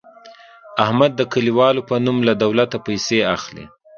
احمد د کلیوالو په نوم له دولته پیسې اخلي.